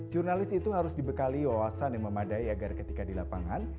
jurnalis itu harus dibekali wawasan yang memadai agar ketika di lapangan